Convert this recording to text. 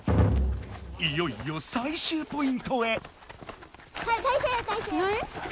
いよいよ最終ポイントへ。